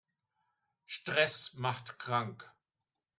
Stress macht krank.